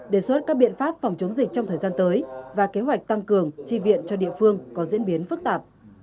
đề xuất các biện pháp phòng chống dịch trong thời gian tới và kế hoạch tăng cường tri viện cho địa phương có diễn biến phức tạp